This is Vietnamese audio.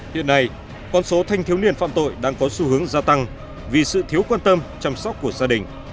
hiện nay con số thanh thiếu niên phạm tội đang có xu hướng gia tăng vì sự thiếu quan tâm chăm sóc của gia đình